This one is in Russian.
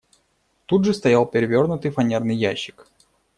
Тут же стоял перевернутый фанерный ящик.